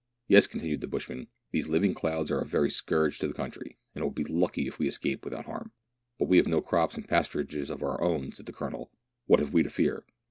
" Yes," contiaued the bushman, " these living clouds are a true scourge to the country, and it will be lucky if we escape without harm." " But we have no crops and pasturages of our own," said the Colonel ; "what have we to fear